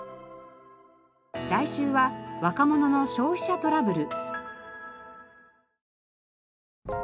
来週は「若者の消費者トラブル」。